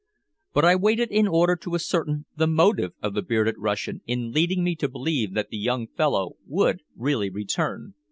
But I waited in order to ascertain the motive of the bearded Russian in leading me to believe that the young fellow would really return.